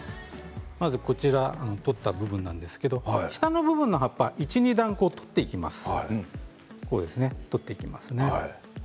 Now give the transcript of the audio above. まず取った部分なんですけれども下の部分の葉っぱを１段２段、取っていきます。